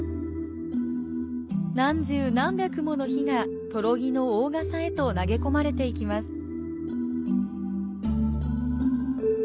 何十何百もの火が「とろぎ」の大笠へと投げ込まれていきます。